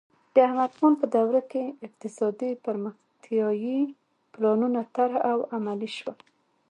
د محمد داؤد خان په دوره کې اقتصادي پرمختیايي پلانونه طرح او عملي شول.